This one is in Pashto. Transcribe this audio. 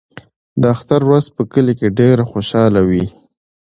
د اختر ورځ په کلي کې ډېره خوشحاله وي.